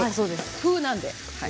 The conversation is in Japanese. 風なので。